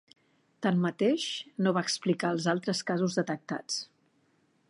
Tanmateix, no va explicar els altres casos detectats.